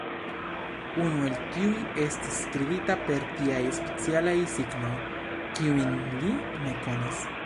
Unu el tiuj estis skribita per tiaj specialaj signoj, kiujn li ne konis.